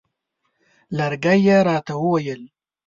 لرګی یې راته وویل.